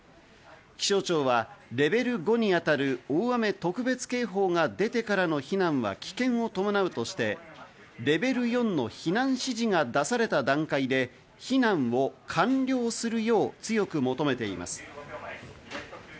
気象庁はレベル５にあたる大雨特別警報が出てからの避難は危険を伴うとして、レベル４の避難指示が出された段階で避難を完了するよう、強く求めています。